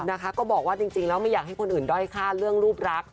นะคะก็บอกว่าจริงแล้วไม่อยากให้คนอื่นด้อยค่าเรื่องรูปรัก